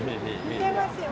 見てますよ。